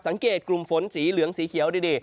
สังเกตกลุ่มฝนสีเหลืองสีเขียวดี